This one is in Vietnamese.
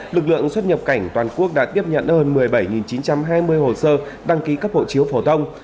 lực lượng xuất nhập cảnh toàn quốc đã tiếp nhận hơn một mươi bảy chín trăm hai mươi hồ sơ đăng ký cấp hộ chiếu phổ thông